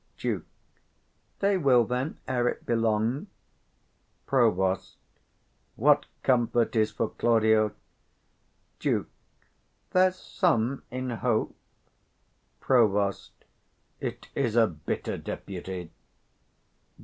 Duke. They will, then, ere't be long. Prov. What comfort is for Claudio? Duke. There's some in hope. Prov. It is a bitter Deputy.